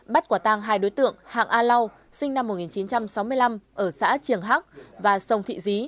bắt quả tang hai đối tượng hạng a lau sinh năm một nghìn chín trăm sáu mươi năm ở xã triềng hắc và sông thị dí